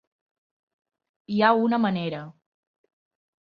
Hi ha una manera.